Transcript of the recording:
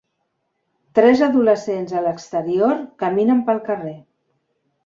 Tres adolescents a l'exterior caminen pel carrer.